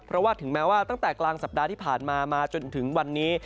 เพราะว่าถึงแม้ว่าตั้งแต่กลางสัปดาห์ที่ผ่านมามาจนถึงวันนี้